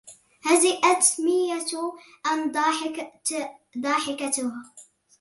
هزئت مية أن ضاحكتها